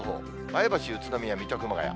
前橋、宇都宮、水戸、熊谷。